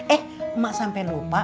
eh mak sampe lupa